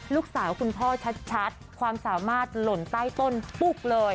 ลูกสาวคุณพ่อชัดความสามารถหล่นใต้ต้นปุ๊กเลย